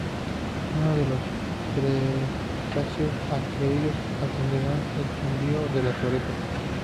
Uno de los presagios a que ellos atendían era el zumbido de las orejas.